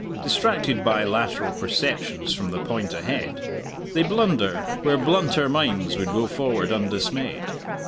Distracted by lateral perceptions from the point ahead, they blunder where blunter minds would go forward undismayed.